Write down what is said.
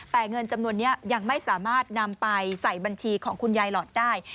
แต่เงินจำนวนนี้ยังไม่สามารถนำไปใส่บัญชีของคุณยายหลอดได้